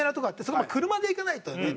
そこは車で行かないとね